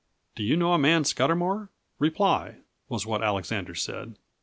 "Do you know a man Scudamour? reply," was what Alexander said.